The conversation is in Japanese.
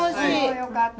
よかった。